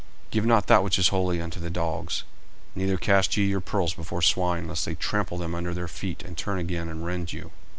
40:007:006 Give not that which is holy unto the dogs, neither cast ye your pearls before swine, lest they trample them under their feet, and turn again and rend you.